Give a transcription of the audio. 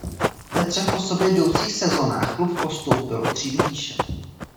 Ve třech po sobě jdoucích sezonách klub postoupil o třídu výše.